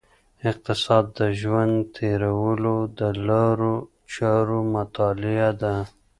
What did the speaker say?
اقتصاد د ژوند تیرولو د لارو چارو مطالعه ده.